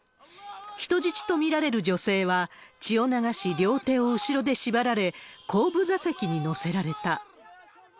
人質と見られる女性は、血を流し、両手を後ろで縛られ、後部座席に乗せられた。